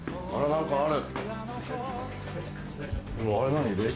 何かある。